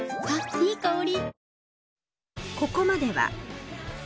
いい香り。